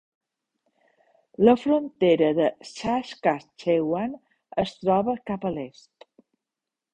La frontera de Saskatchewan es troba cap a l'est.